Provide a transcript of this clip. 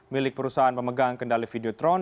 milik perusahaan pemegang kendali video tron